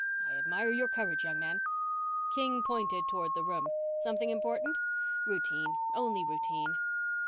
"I admire your courage, young man." King pointed toward the room. "Something important?" "Routine only routine."